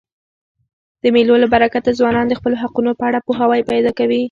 د مېلو له برکته ځوانان د خپلو حقونو په اړه پوهاوی پیدا کوي.